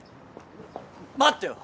待ってよ。